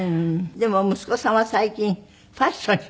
でも息子さんは最近ファッションに目覚めた？